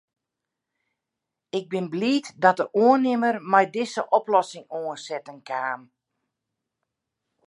Ik bin bliid dat de oannimmer mei dizze oplossing oansetten kaam.